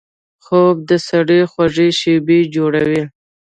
خوب د سړي خوږې شیبې جوړوي